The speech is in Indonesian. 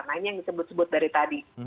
nah ini yang disebut sebut dari tadi